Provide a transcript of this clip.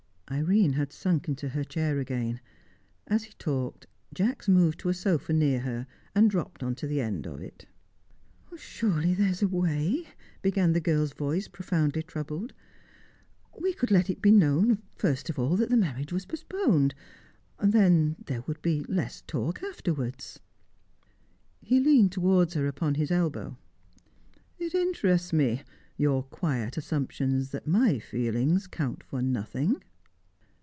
Irene had sunk into her chair again. As he talked, Jacks moved to a sofa near her, and dropped on to the end of it. "Surely there is a way," began the girl's voice, profoundly troubled. "We could let it be known, first of all, that the marriage was postponed. Then there would be less talk afterwards." He leaned towards her, upon his elbow. "It interests me your quiet assumption that my feelings count for nothing."